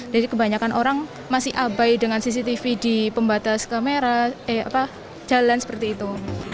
jadi kebanyakan orang masih abai dengan cctv di pembatas kamera jalan seperti itu